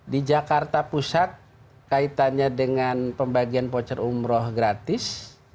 di jakarta pusat kaitannya dengan pembagian voucher umroh gratis